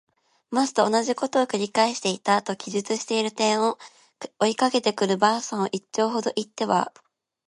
ます。」とおなじことを「くり返していた。」と記述している点を、追いかけてくる婆さんを一町ほど行っては